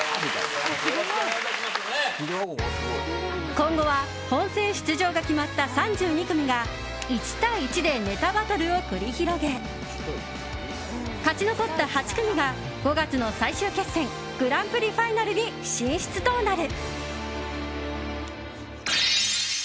今後は本戦出場が決まった３２組が１対１でネタバトルを繰り広げ勝ち残った８組が５月の最終決戦グランプリファイナルに進出となる。